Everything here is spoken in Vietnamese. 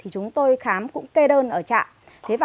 chúng tôi khám cũng kê đơn ở trạm